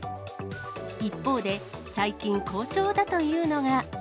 一方で、最近好調だというのが。